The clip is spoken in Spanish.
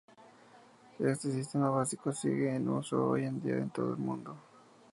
Este sistema básico sigue en uso hoy en día en todo el mundo.